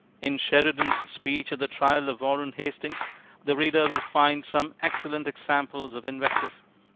In Sheridan's speech at the trial of Warren Hastings, the reader will find some excellent examples of invective.